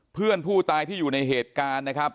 เพื่อนผู้ตายที่อยู่ในเหตุการณ์นะครับ